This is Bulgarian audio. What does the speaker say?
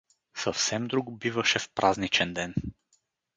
Съвсем друго биваше в празничен ден.